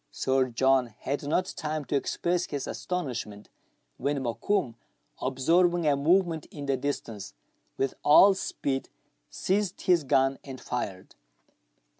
Sir John had not time to express his astonishment, when Mokoum, observing a movement in the distance, with all speed seized his gun and fired.